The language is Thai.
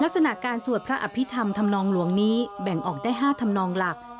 ลักษณะการสวดพระอภิษฐรรมธรรมนองหลวงนี้แบ่งออกได้๕ธรรมนองหลัก